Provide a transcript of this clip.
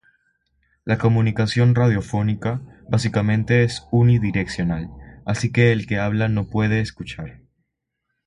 La comunicación radiofónica básicamente es unidireccional, así que el que habla no puede escuchar.